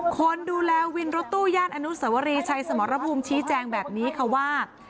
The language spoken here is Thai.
คนดูแลวินรถตู้ย่านอนุสวรีชัยสมรภูมิชี้แจงแบบนี้ค่ะว่า